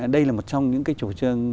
đây là một trong những cái chủ trương